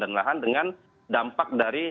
penelahan dengan dampak dari